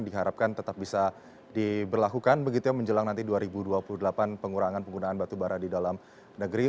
diharapkan tetap bisa diberlakukan begitu ya menjelang nanti dua ribu dua puluh delapan pengurangan penggunaan batubara di dalam negeri